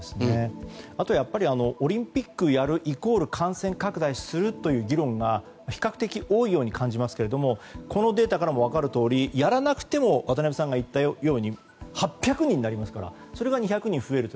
あと、オリンピックをやるイコール感染拡大するという議論が比較的多いように感じますがこのデータからも分かるとおりやらなくても渡辺さんが言ったように８００人になりますからそれが２００人増えると。